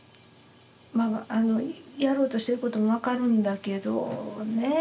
やろうとしてることも分かるんだけどねえ